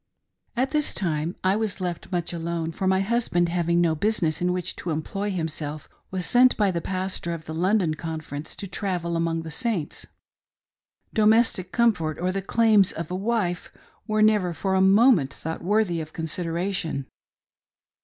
At this time I was left much alone, for my husband having no business in which to employ himself was sent by the Pas tor of the London Conference to travel among the Saints •; domestic comfort or the claims of a wife were never for a moment thought worthy of consideration.